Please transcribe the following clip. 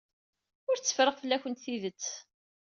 Ur tteffreɣ fell-awent tidet.